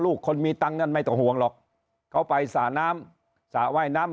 ลูกคนมีตังค์นั้นไม่ต้องห่วงหรอกเขาไปสระน้ำสระว่ายน้ำ